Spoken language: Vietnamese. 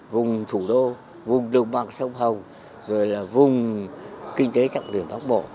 vùng thủ đô vùng đồng bằng sông hồng rồi là vùng kinh tế trọng điểm bắc bộ